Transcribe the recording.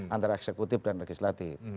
antara eksekutif dan legislatif